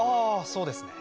そうですね。